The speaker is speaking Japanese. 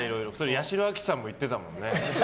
八代亜紀さんも言ってたもんね。